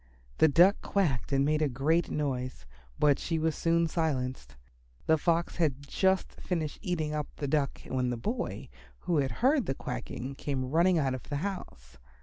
The Duck quacked and made a great noise, but she was soon silenced. The Fox had just finished eating up the Duck when the boy, who had heard the quacking, came running out of the house.